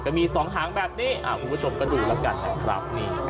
มี๒หางแบบนี้คุณผู้ชมก็ดูแล้วกันนะครับ